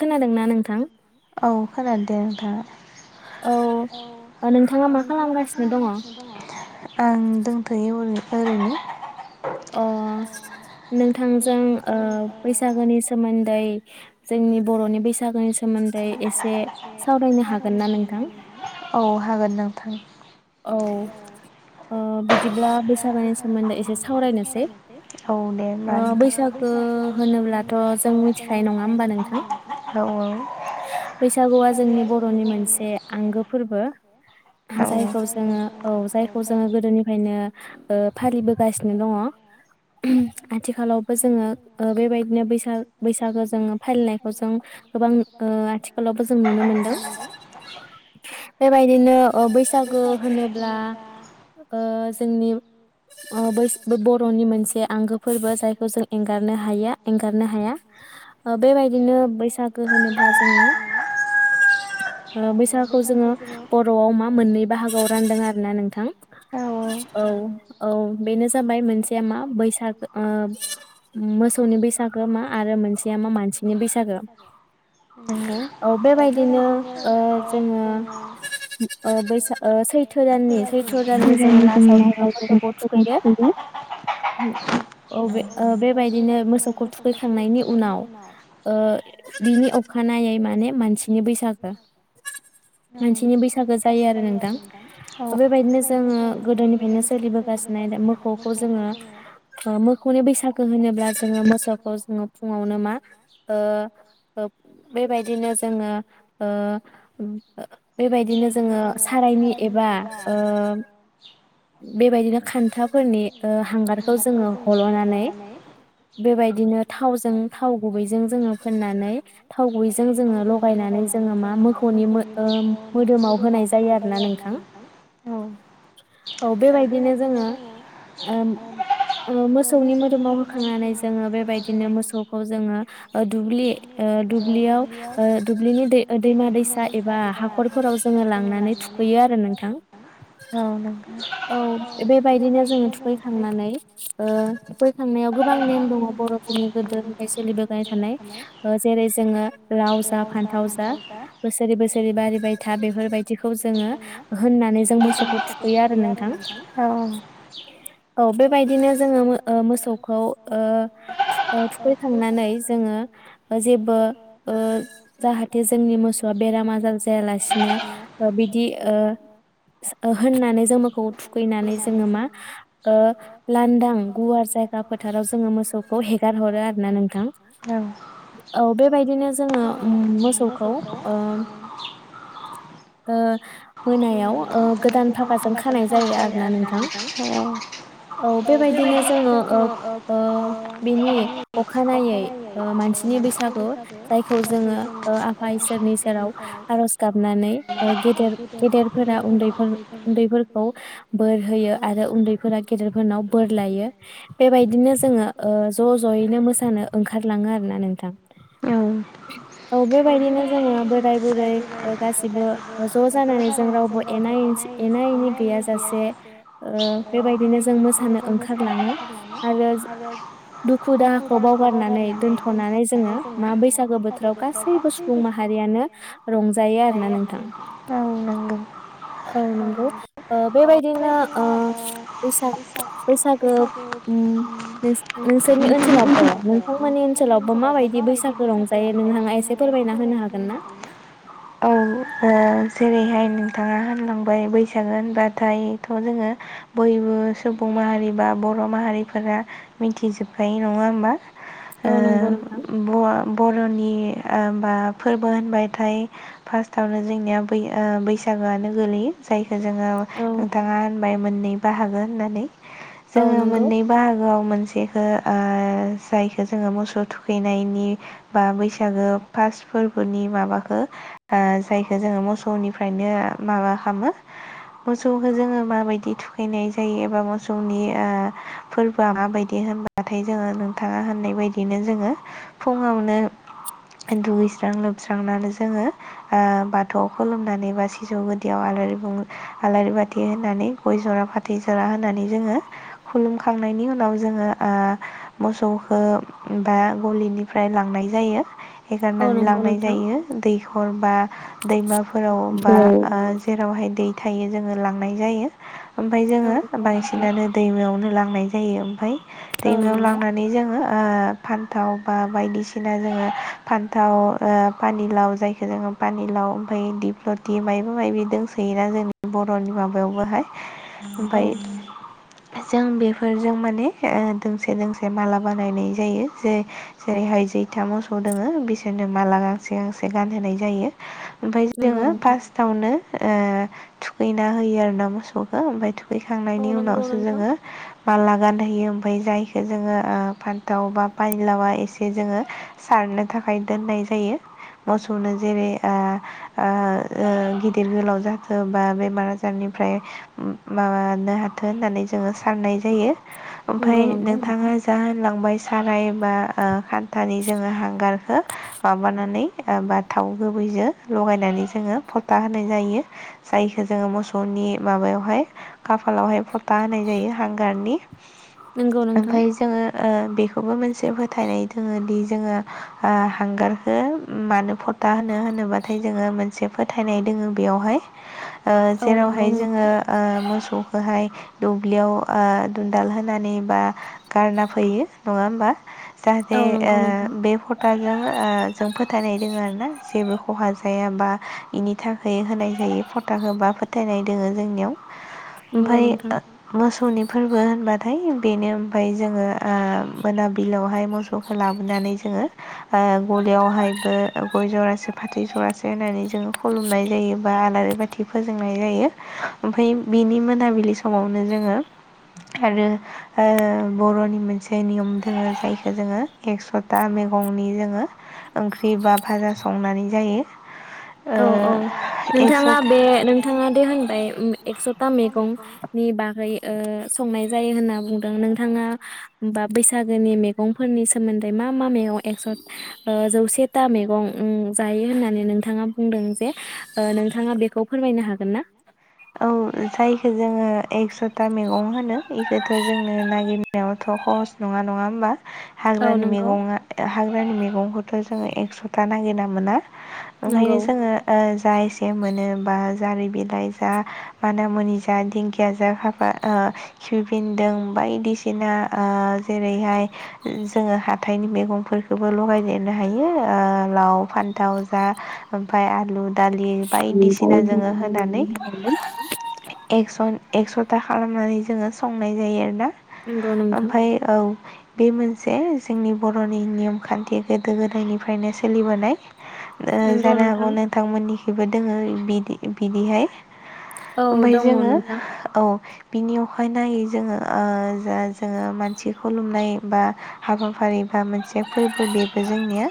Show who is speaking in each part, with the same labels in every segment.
Speaker 1: खोनादोंना नोंथां?
Speaker 2: औ खोनाददे नोंथां। औ ओ नोंथाङा मा खालामगासिनो दङ? आं दंथ'यो अरै ओरैनो।
Speaker 1: अ नोंथांजों ओ बैसागोनि सोमोन्दै जोंनि बर'नि बैसागोनि सोमोन्दै एसे सावरायनो हागोन ना नोंथां?
Speaker 2: औ हागोन नोंथां।
Speaker 1: औ ओ बिदिब्ला बैसागोनि सोमोन्दै एसे सावरायनोसै ओ बैसागो होनोब्लाथ' जों मिथिखायो नङा होमबा नोंथां? बैसागुआ जोंनि बर'नि मोनसे आंगो फोरबो जायखौ स जोङो औ जायखौ जोङो गोदोनिफ्रायनो ओ फालिबोगासिनो दङ आथिखालावबो जोङो ओ बेबायदिनो बैसाग बैसागो जोङो फालिनायखौ जों गोबां ओ आथिखालावबो जों नुनो मोनदों। बेबायदिनो ओ बैसाग गो होनोब्ला ओ जोंनि ओ बोस बर'नि मोनसे आंगो फोरबो जायखौ जों एंगारनो हाया एंगारनो हाया ओ बेबायदिनो बैसागो होनोब्ला जोङो ओ बैसागखौ जोङो बर'आव मा मोननै बाहागोआव रानदों आरोना नोंथां औ औ बेनो जाबाय मोनसेया मा बैसागो ओ मोसौनि बैसागो मा आरो मोनसेया मा मानसिनि बैसागो औ बेबायदिनो ओ जोङो ओ ओ बैसा सैथो दाननि सैथ' दाननि जोङो लासाव जोङो मोसौखौ थुखैयो उम औ बे ओ बेबायदिनो मोसौखौ थुखैखांनायनि उनाव ओ बिनि अखानायै माने मानसिनि बैसागो मानसिनि बैसागो जायो आरो नोंथां। बेबायदिनो जोङो गोदोनिफ्रायनो सोलिबोगासिनाय दा मोखौखौ जोङो ओ मोखौनि बैसागो होनोब्ला जोङो मोसौखौ जोङो फुङावनो ओ ओ बेबायदिनो जोङो ओ ओ बेबायदिनो जोङो सारायनि एबा ओ बेबायदिनो खान्थाफोरनि ओ हांगारखौ जोङो हल'नानै बेबायदिनो थावजों थाव गुबैजों जोङो फोननानै थाव गुबैजों जोङो लगायनानै जोङो मा मोखौनि मो ओम मोदोमाव होनाय जायो आरो ना नोंथ थां औ बेबायदिनो जोङो ओम ओ मोसौनि मोदोमाव होखांनानै जोङो बेबायदिनो मोसौखौ जोङो ओ दुब्लि ओ दुब्लियाव ओ दुब्लिनि दै ओ दैमा दैसा एबा हाखरफोराव जोङो लांनानै थुखैयो आर ओ नोंथां औ बेबायदिनो जो थुखैखांनानै ओ थुखैखांनायाव गोबां नेम दङ बर'फोरनि गोदोनिफ्राय सोलिबोबाय थानाय ओ जेरै जोङो लाव जा फान्थाव जा बोसोरे बोस जेरै बारिबाय था बेफोरबायदिखौ जोङो होननानै जों मोसौखौ थुखैयो आरो नोंथां औ बेबायदिनो जोङो ओ मोसौखौ ओ थु-थुखैखांनानै जोङो जेबो ओ जाहाथे जोंनि मोसौआ बे
Speaker 2: [inaudible] [inaudible] ओं
Speaker 1: ओम ओ मोनायाव ओ गोदान फागाजों खानाय जायो आरोना नोंथां औ बेबायदिनो जोङो ओ ओ बिनि अखानायै मानसिनि बैसागु जायखौ जोङो ओ आफा इसोरनि सोरनाव आर'ज गाबनानै गेदेर
Speaker 2: [inaudible]
Speaker 1: बोराय बुरै ओ गासैबो ओ ज' जानानै जों रावबो एना एना एनि गैयाजासे ओ बेबायदिनो जों मोसानो ओंखारलाङो आरो दुखु दाहाखौ बावगारनानै दोनथ'नानै जोङो मा बैसागो बोथोराव गासैबो सुबुं माहारियानो रंजायो आरो ना नोंथां। औ नंगौ ओ बेबायदिनो ओ ओम बैसागो नोंसोरनि ओनसोलावबो नोंथांमोननि ओनसोलावबो माबायदि बैसागो रंजायो नोंथाङा एसे फोरमायना होनो हागोन?
Speaker 2: औ ओ। जेरैहाय नोंथाङा होनलांबाय बैसागो होनबाथायथ' जोङो बयबो सुबुं माहारि बा बर' माहारिफोरा मिथिजोबखायो नङा होमबा। ओ बवा बर'नि नि ओमबा फोरबो होनबथाय फार्स्टआवनो जोंनिया बै बैसागोआनो गोलैयो जाय जोङो नोंथाङा ओमफ्राय मोननै बाहागो होन्नानै। जोङो मोननै बाहागोआव मोनसे ओ जायखो जोङो मोसौ थुखैनायनि बा बैसागो फा फोरबोनि माबाखौ ओ जायखौ जोङो मोसौनिफ्रायनो माबा खालामो मोसौखौ जोङो माबायदि थुखैनाय जायो एबा मोसौनि ओ फोरबोआ माबायदि होनबाथाय जोङो नोंथाङा होननाय बायदिनो जोङो फुङावनो दुगै स्रां लोबस्रांनानै जोङो बाथौआव खुलुमनानै बा सिजौ गुदियाव आलारि आलारि बाथि होनानै गय जरा फाथै जरा होनानै जोङो खुलुमखांनायनि उनाव जोङो ओ मोसौखौ बा गलिनिफ्राय लांनाय जायो। एगारनानै लांनाय जायो दैखर बा दैमाफोराव बा जेरावहाय दै थायो जोङो लांनाय जायो। ओमफ्राय जोङो बांसिनानो दैमायावनो लांनाय जायो ओमफ्राय दैमायाव लांनानै जोङो ओ फान्थाव बा बायदिसिना जोङो फान न्थाव ओ पानिलाव जायखौ जोङो पानिलाव ओमफ्राय दिप्ल'थि मायबा मायदि दंसोयोना जोंनि बर'नि माबायावबोहाय ओमफ्राय जों बेफोरजों माने ओ दोंसे दोंसे माला बानायनाय जायो जे जेरैहाय जैथा मोसौ दोङो बिसोर बिदिनो माला गांसे गांसे गानहोनाय जायो ओमफ्राय जोङो फार्स्टावनो ओ थुखैना होयो आरो ना मोसौखौ ओमफाय थु खैखांनायनि उनावसो जोङो माला गानहोयो ओमफ्राय जायखौ जोङो फा दाव पानिलावा एसे जोङो सारनो थाखाय खाय दोननाय जायो मोसौनो जेरै ओ गिदिर गोलाव जाथों बा बेमार आजारनिफ्राय माबानो हाथों होननानै जोङो साननाय जायो। ओमफ्राय नोंथाङा जा लांबाय साराय बाह ओ दा जोङो हांगार ओ मानो नानै ओह बा थाव गुबैजों लगायनानै जोङो फ'था होनाय जायो जायखौ जोङो मोसौनि माबायावहाय खाफालावहाय फथा होनाय जायो हांगारनि ओमफाय जोङो ओह बेखौबो मोनसे फोथायनाय दोङोदि जोङो ओ हांगारखौ मानो फथा होनो होनोब्लाथाय जोङो मोनसे फोथायनाय दोङो बेयावहाय ओह जेरावहाय जोङो ओह मोसौखौहाय दुब्लियाव ओह दुनन्दाल होनानै बा गारना फैयो नङा होमबा जाहाथे ओह बे फट लों ओ जों फोथायनाय दोङ आरोना जेबो खहा जायाबा बेनि थाखाय होनाय जायो फटा होबा फोथायनाय दोङो जोंनियाव। ओमफ्राय ओ मोस मोसौनि फोरबो होनबाथाय बेनो ओमफ्राय जोङो ओ मोनाबिलियावहाय मोसौखौ लाबोनानै जोङो ओ गलियावहायबो गय जरासे फाथै जरासे होननानै जोङो खुलुमनाय जायो बा आलारि बाथि फोजोंनाय जायो ओमफ्राय बिनि मोनाबिलि समावनो जोङो आरो ओ बरनि मोनसे नियम दोङो जायखौ जोङो एकसथा मेग गंनि जोङो ओंख्रि बा भाजा संनानै जायो।
Speaker 1: औ औ नोंथाङा बे नोंथाङा दे होनबाय उम एकसथा मेगंनि बागै ओह संनाय जायो होनना बुंदों नोंथाङा बा बैसागोनि मैगंफोरनि सोमोन्दै मा मा मैगं एकसथ ओ जौसे था मैगं उम। जायो होननानै नोंथाङा बुंदों जे ओ नोंथाङा बेखौ फोरमायनो हागोन ना?
Speaker 2: औ जायखौ जोङो एकसथ था मैगं होनो बेखौथ जोंनो नागिरनायावथ' खसथ' नङा नङा होमबा। हाग्रानि मेगंआ हाग्रानि मैगंफोर फोर जोङो एकसथा नागिर ना मोना ओंखायनो जोङो ओह जा एसे मोनोबा जारि बिलाइ बा मानामुनि जा दिंखियाजा दालि बायदिसिना जोङो होनानै
Speaker 1: [unintelligible]
Speaker 2: [unintelligible] एकसथा खालामनानै जोङो संनाय जायो आरोना। ओमफाय औ। बे मोनसे जोंनि बरनि नियम खान्थि गोदो गोदायनिफ्रायनो सोलिबोनाय ओ जानो हागौ नोंथांमोननि बिबो दोङो बिदि बिदिहाय ओमफाय जोङो औ बिनि अखाय नायै जोङो ओ जा जोङो मानसि खुलुमनाय बा हाबाफारि बा मोनसे फोरबो बेबो जोंनिया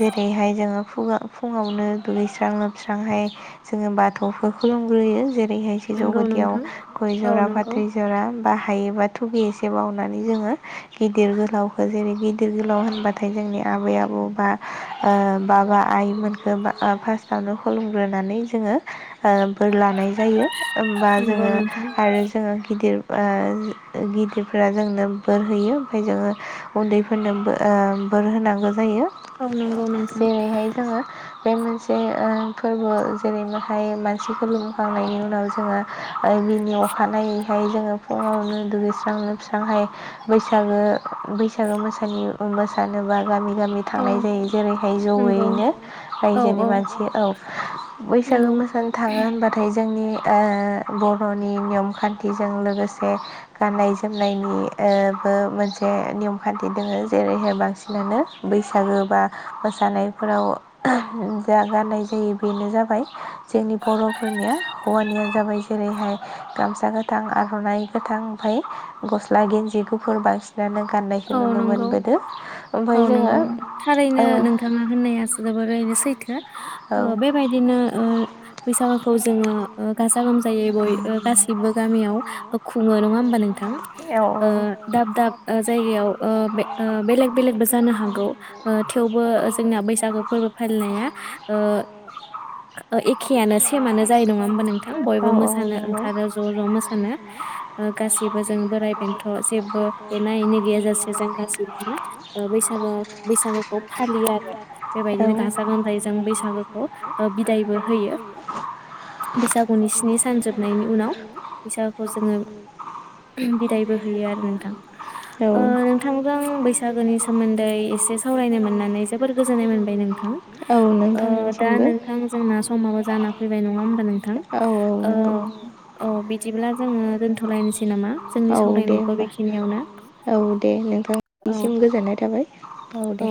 Speaker 2: जेरैहाय जोङो फुङा-फुङावनो दुगैस्रां लोबस्रांहाय जोङो बाथौखो- खुलुमग्रोयो जेर- ओरैहाय सेजौ गुदियाव गय जरा फाथै जरा- बाहायोबा थुगि एसे बावनानै जोङो गिदिर गोलावखौ जेरै गिदिर गोलाव होनबाथाय जोंनि आबै आबौ बा ओ बाबा आइमोनखौ बा फार्स्टआवनो खुलुमग्रोनानै जोङो ओ बोर लानाय जायो ओमबा जोङो आरो जोङो गिदिर ओ गिदिरफोरा जोंनो बोर होयो ओमफ्राय जोङो उन्दैफोरनो ओ बोर होनांगौ जायो जेरैहाय जोङो बे मोनसे ओ फोरबो जेरै माहाय मान [unintelligible] सिखौ लुंखांनायनि उनाव जोङो ओ बिनि अखानायैहाय जोङो फुङावनो दुगैस्रांनो स्रांहाय बैसागो बैसागो मोसानि मोसानोबा गामि गामि थांनाय जायो जेरैहाय जयैनो रायजोनि मानसि औ बैसागो मोसायो ओ होनबाथाय जोंनि ओ बर'नि नियम खान्थिजों लोगोसे गाननाय जोमनायनि ओ बो मोनसे नियम खान्थि दङ जेरैहाय बांसिनानो बैसागो बा मोसानायफोराव जा गाननाय जायो बेनो जाबाय जोंनि बर'फोरनिया हौवानिया जाबाय जेरैहाय गामसा गोथां आर'नाइ गोथां ओमफ्राय गस्ला गेन्जि गुफुर बांसिनानो
Speaker 1: औ नंगौ औ नंगौ थारैनो नोंथाङा होननाया जोबोरैनो सैथो ओ बेबायदिनो ओ बैसागुखौ जोङो ओ गाजा गोमजायै बय ओ गासिबो गामियाव खुङो नङा होनबा नोंथां ओ दाब दाब ओ
Speaker 2: ओ जायगायाव ओ बेलेग बेलेगबो जानो हागौ ओ थेवबो जोंना बैसागु फोरबो फालिनाय ओ एखे
Speaker 1: [unintelligible] मानो जायो नङा होमबा नोंथां बयबो मोसानो ओंखारो ज' ज' मोसानो ओ गासैबो जों बोराइ बेन्थ' जेबो एना एनि गैयाजासे जों गासैबो मा ओ बैसागो बैसागोखौ फालियो आरो बेबायदिनो गाजा गोमजायै जों बैसागोखौ ओ बिदायबो होयो। बैसागुनि स्नि सान जोबनायनि उनाव बैसागुखौ जोङो बिदायबो होयो आरो नोंथां। ओ नोंथांजों बैसागोनि सोमोन्दै एसे सावरायनो मोननानै जोबोर गोजोननाय मोनबाय नोंथां ओ दा नोंथां जोंना समा जाना फैबाय नङा हबा नोंथां औ औ बिदिब्ला जोङो दोनथ'लायनोसै नामा जोंनि सावरायनायखौ बेखिनियावनो।
Speaker 2: औ दे नोंथां। निसिम गोजोननाय थाबाय औ दे।